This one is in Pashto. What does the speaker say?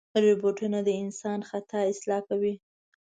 روبوټونه د انسان خطا اصلاح کوي.